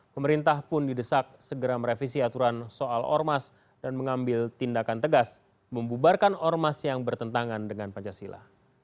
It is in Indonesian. pemerintah pun didesak segera merevisi aturan soal ormas dan mengambil tindakan tegas membubarkan ormas yang bertentangan dengan pancasila